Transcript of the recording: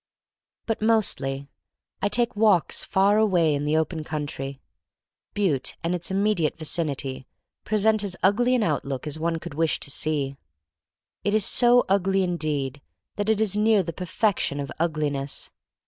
But mostly I take walks far away in the open country. Butte and its imme diate vicinity present as ugly an outlook as one could wish to see. It is so ugly indeed ' that jt is near the perfection of ugliness.